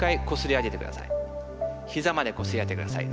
膝までこすり上げてください。